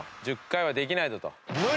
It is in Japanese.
１０回はできないぞと。